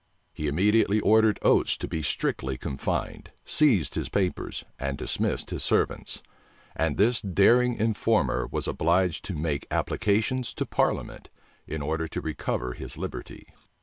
[*] He immediately ordered Oates to be strictly confined, seized his papers, and dismissed his servants; and this daring informer was obliged to make applications to parliament, in order to recover his liberty.